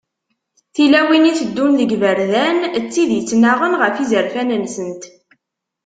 Tilawin iteddun deg yiberdan, d tid ittennaɣen ɣef yizerfan-nsent.